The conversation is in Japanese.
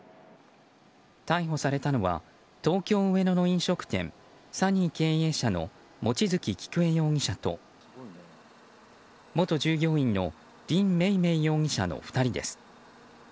逮捕されたのは東京・上野の飲食店ＳＵＮＮＹ経営者の望月菊恵容疑者と元従業員のリン・メイメイ容疑者の２人です。